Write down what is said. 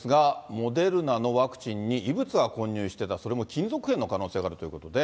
モデルナのワクチンに異物が混入していた、それも金属片の可能性があるということで。